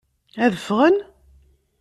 Ad ffɣen?